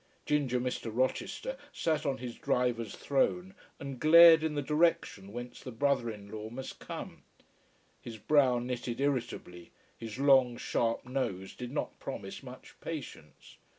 Ginger Mr. Rochester sat on his driver's throne and glared in the direction whence the brother in law must come. His brow knitted irritably, his long, sharp nose did not promise much patience.